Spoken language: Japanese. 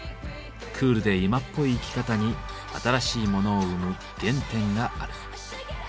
クールで今っぽい生き方に新しいモノを生む原点がある。